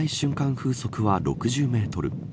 風速は６０メートル。